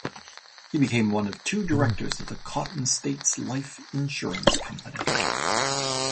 He became one of two directors of the Cotton States Life Insurance Company.